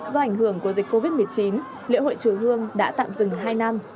do ảnh hưởng của dịch covid một mươi chín lễ hội chùa hương đã tạm dừng hai năm